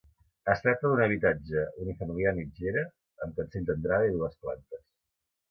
Es tracta d'un habitatge unifamiliar mitgera, amb cancell d'entrada i dues plantes.